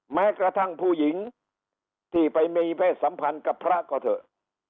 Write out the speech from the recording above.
แม้กระทั่งผู้หญิงที่ไปมีเพศสัมพันธ์กับพระก็เถอะ